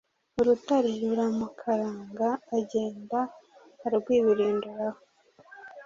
urutare ruramukaranga agenda arwibirinduraho.